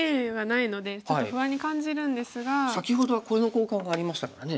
先ほどはこの交換がありましたからね。